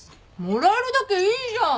もらえるだけいいじゃん。